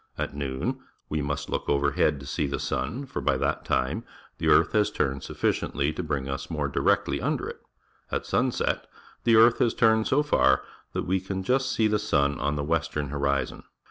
At noon we must look overhead to see the sun, for by that time the earth has turned sufficiently to bring us more directly imder it. At sun set the earth has turned so far that we can just see the sun on the western horizon.